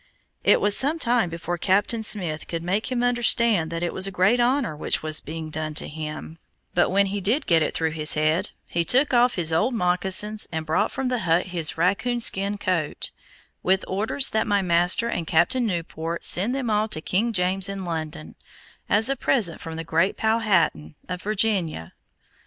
It was some time before Captain Smith could make him understand that it was a great honor which was being done him, but when he did get it through his head, he took off his old moccasins and brought from the hut his raccoon skin coat, with orders that my master and Captain Newport send them all to King James in London, as a present from the great Powhatan of Virginia.